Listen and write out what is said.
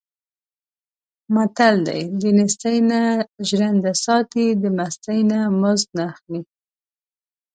متل دی: دنېستۍ نه ژرنده ساتي، د مستۍ نه مزد نه اخلي.